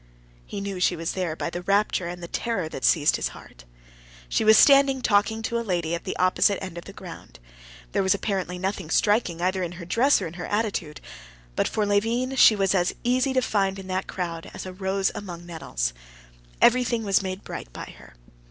He knew she was there by the rapture and the terror that seized on his heart. She was standing talking to a lady at the opposite end of the ground. There was apparently nothing striking either in her dress or her attitude. But for Levin she was as easy to find in that crowd as a rose among nettles. Everything was made bright by her.